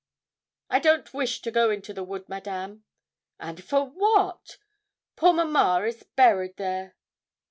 'I don't wish to go into the wood, Madame.' 'And for what?' 'Poor mamma is buried there.'